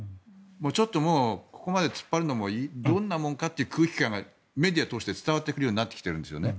ちょっともうここまで突っ張るのもどんなもんかという空気感がメディアを通して伝わってくるようになってきているんですよね。